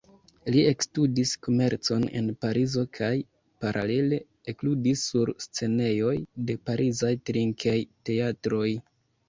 Li ekstudis komercon en Parizo kaj, paralele, ekludis sur scenejoj de parizaj trinkej-teatroj.